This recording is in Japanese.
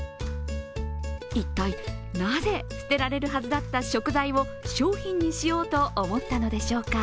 一体なぜ、捨てられるはずだった食材を商品にしようと思ったのでしょうか。